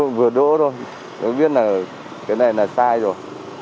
nhưng mà tôi vừa đỗ thôi tôi biết là cái này là sai rồi